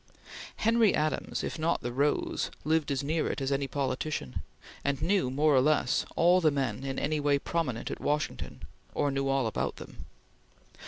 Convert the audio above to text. Henry Adams, if not the rose, lived as near it as any politician, and knew, more or less, all the men in any way prominent at Washington, or knew all about them.